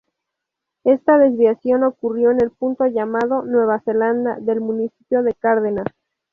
Esta desviación ocurrió en el punto llamado "Nueva Zelanda" del municipio de Cárdenas.